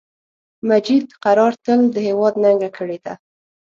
مجید قرار تل د هیواد ننګه کړی ده